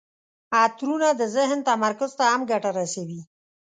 عطرونه د ذهن تمرکز ته هم ګټه رسوي.